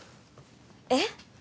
えっ？